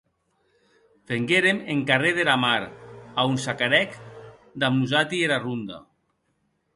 Venguérem en carrèr dera Mar, a on s'acarèc damb nosati era ronda.